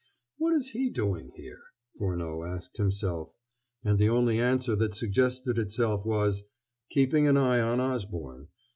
"What is he doing here?" Furneaux asked himself; and the only answer that suggested itself was: "Keeping an eye on Osborne.